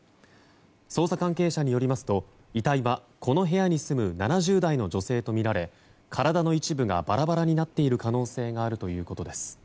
捜査関係者によりますと遺体はこの部屋に住む７０代の女性とみられ体の一部がバラバラになっている可能性があるということです。